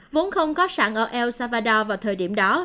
vốn không có sẵn ở el salvador vào thời điểm đó